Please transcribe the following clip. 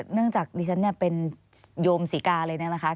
เนื่องจากที่ฉันเป็นโยมศิกาเลยนะคะ